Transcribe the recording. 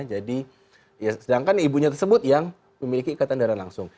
jadi ya sedangkan ibunya tersebut yang memiliki ikatan darah langsung